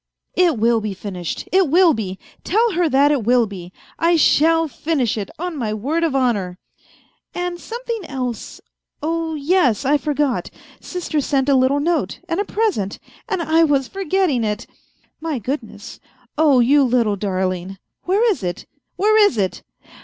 " It will be finished ! It will be ! Tell her that it will be. I shall finish it, on my word of honour !"" And something else. ... Oh yes, I forgot. Sister sent a little note and a present, and I was forgetting it !..."" My goodness ! Oh, you little darling ! Where is it ? where is it